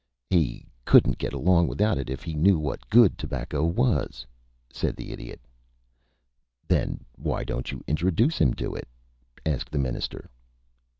"He couldn't get along without it if he knew what good tobacco was," said the Idiot. "Then why don't you introduce him to it?" asked the Minister.